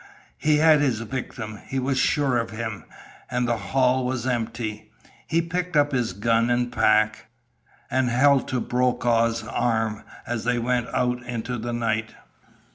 He had his victim. He was sure of him. And the hall was empty. He picked up his gun and pack, and held to Brokaw's arm as they went out into the night.